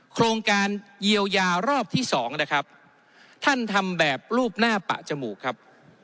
โครงการเยียวยารอบที่สองนะครับท่านทำแบบรูปหน้าปะจมูกครับ